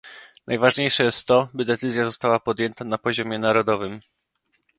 Najważniejsze jest to, by decyzja została podjęta na poziomie narodowym